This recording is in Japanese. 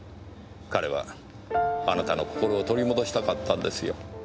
彼はあなたの心を取り戻したかったんですよ。